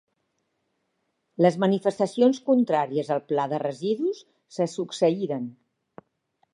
Les manifestacions contràries al Pla de residus se succeïren.